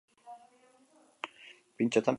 Pintxoetan pentsatzen ari naiz.